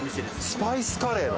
スパイスカレーの？